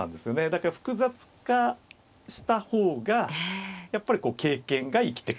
だから複雑化した方がやっぱり経験が生きてくるというね